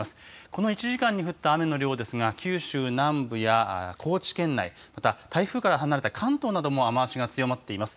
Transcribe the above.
この１時間に降った雨の量ですが、九州南部や高知県内、また台風から離れた関東なども雨足が強まっています。